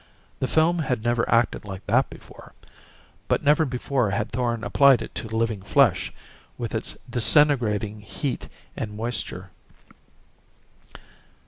The film had never acted like that before but never before had Thorn applied it to living flesh with its disintegrating heat and moisture.